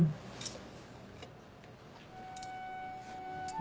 うん。